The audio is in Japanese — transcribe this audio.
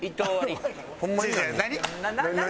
ホンマに何？